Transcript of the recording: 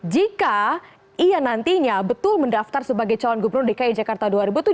jika ia nantinya betul mendaftar sebagai calon gubernur dki jakarta dua ribu tujuh belas